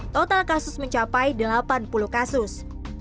total kasus mencapai delapan puluh kasus